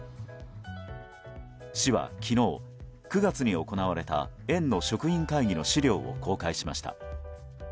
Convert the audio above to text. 市は昨日、９月に行われた園の職員会議の資料を公開しました。